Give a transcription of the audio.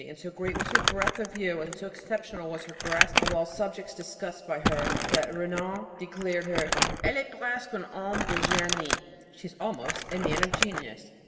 And so great was her breadth of view and so exceptional was her grasp of all subjects discussed by her that Renan declared of her, Elle est presque un homme de génie She is almost a man of genius.